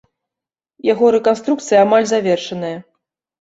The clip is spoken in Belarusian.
Яго рэканструкцыя амаль завершаная.